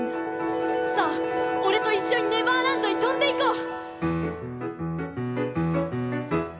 さぁ、俺と一緒にネバーランドに飛んでいこう！」。